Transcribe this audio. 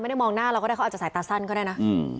มองหน้าเราก็ได้เขาอาจจะสายตาสั้นก็ได้นะ